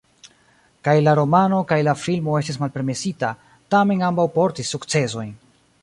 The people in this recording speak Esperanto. Kaj la romano, kaj la filmo estis malpermesita, tamen ambaŭ portis sukcesojn.